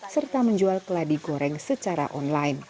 serta menjual keladi goreng secara online